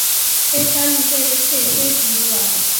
Ez al dute beste ezer buruan?